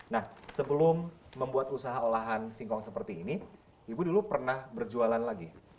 nah sebelum membuat usaha olahan singkong seperti ini ibu dulu pernah berjualan lagi